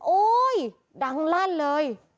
โอ๊ยดังลั่นเลย